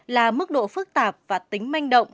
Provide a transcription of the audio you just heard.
là mức độ phức tạp và tính manh động